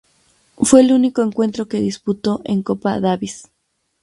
Fue el único encuentro que disputó en Copa Davis.